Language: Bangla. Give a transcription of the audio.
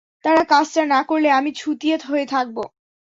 তারা কাজটা না করলে আমি ছুতিয়া হয়ে থাকব।